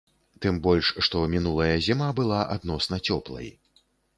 Тым больш, што мінулая зіма была адносна цёплай.